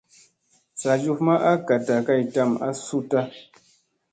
Sa njuf ma a gat kay tam a suuta.